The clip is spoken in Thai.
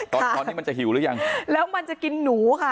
ตอนนี้มันจะหิวหรือยังแล้วมันจะกินหนูค่ะ